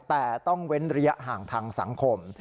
แต่ต้องเว้นระยะห่างทางสังคม